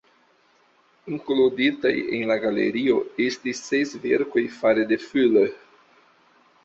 Inkluditaj en la galerio estis ses verkoj fare de Fuller.